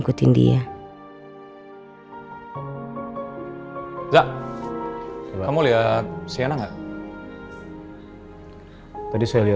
gak ada apa apa disini ya